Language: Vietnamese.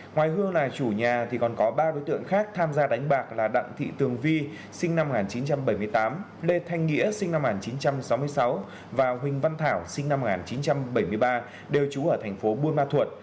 ngoài hương là chủ nhà còn có ba đối tượng khác tham gia đánh bạc là đặng thị tường vi sinh năm một nghìn chín trăm bảy mươi tám lê thanh nghĩa sinh năm một nghìn chín trăm sáu mươi sáu và huỳnh văn thảo sinh năm một nghìn chín trăm bảy mươi ba đều trú ở thành phố buôn ma thuột